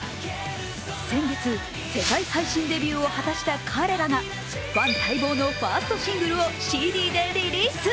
先月、世界配信デビューを果たした彼らがファン待望のファーストシングルをＣＤでリリース。